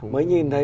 mới nhìn thấy